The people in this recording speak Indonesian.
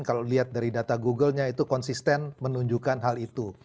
kalau lihat dari data google nya itu konsisten menunjukkan hal itu